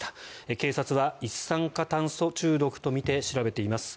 警察は一酸化炭素中毒とみて調べています。